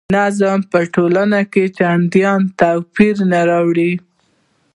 د نظم په تول کې چنداني توپیر نه راولي.